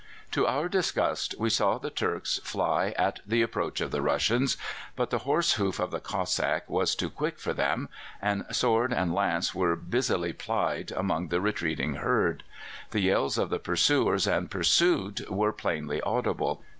"To our disgust, we saw the Turks fly at the approach of the Russians; but the horse hoof of the Cossack was too quick for them, and sword and lance were busily plied among the retreating herd. The yells of the pursuers and pursued were plainly audible.